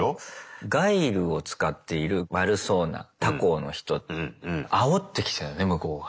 ガイルを使っている悪そうな他校の人あおってきたのね向こうが。